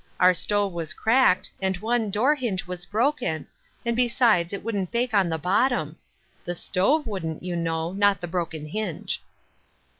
Our stove was cracked, and one door hinge was broken, and besides it wouldn't bake on the bottom. The stove wouldn't, you know — not the broken hinge."